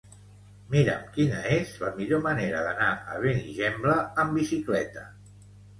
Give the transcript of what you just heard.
Mira'm quina és la millor manera d'anar a Benigembla amb bicicleta.